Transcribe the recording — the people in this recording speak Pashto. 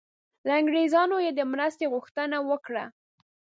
له انګریزانو یې د مرستې غوښتنه وکړه.